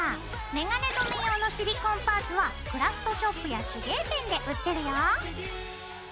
メガネ留め用のシリコンパーツはクラフトショップや手芸店で売ってるよ。